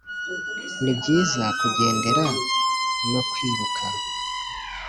nibyiza kugendera no kwiruka,